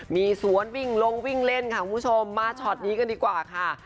มีสวนวิ่งลงวิ่งเล่นค่ะคุณผู้ชมมาช็อตนี้กันดีกว่าค่ะ